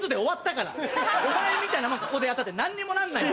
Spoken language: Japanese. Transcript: お前みたいなのここでやったって何にもなんないの。